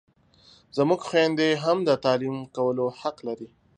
زموږ خویندې هم د تعلیم کولو حق لري!